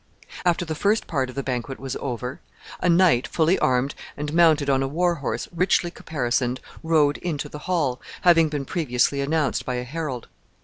After the first part of the banquet was over, a knight, fully armed, and mounted on a warhorse richly caparisoned, rode into the hall, having been previously announced by a herald.